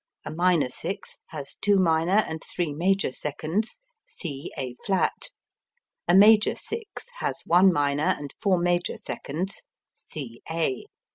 A minor sixth has two minor and three major seconds. C A[flat]. A major sixth has one minor and four major seconds. C A.